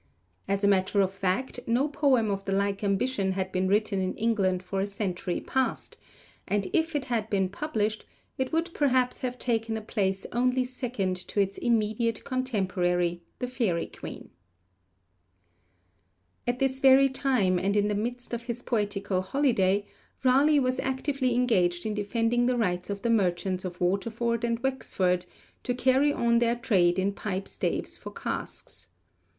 As a matter of fact, no poem of the like ambition had been written in England for a century past, and if it had been published, it would perhaps have taken a place only second to its immediate contemporary, The Faery Queen. At this very time, and in the midst of his poetical holiday, Raleigh was actively engaged in defending the rights of the merchants of Waterford and Wexford to carry on their trade in pipe staves for casks.